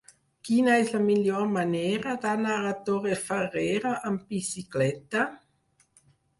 Quina és la millor manera d'anar a Torrefarrera amb bicicleta?